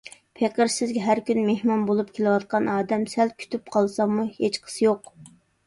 پېقىر سىزگە ھەر كۈنى مېھمان بولۇپ كېلىۋاتقان ئادەم، سەل كۈتۈپ قالساممۇ ھېچقىسى يوق.